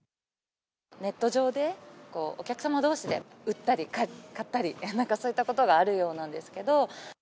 ネット上で、お客様どうしで売ったり、買ったり、なんかそういったことがあるようなんですけど。